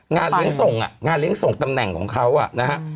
งานเลี้ยงส่งอ่ะงานเลี้ยงส่งตำแหน่งของเขาอ่ะนะฮะ